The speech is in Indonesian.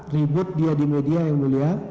ribut dia di media yang mulia